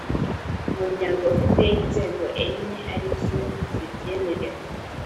umuryango ufite inzego enye ari zo zibyemerewe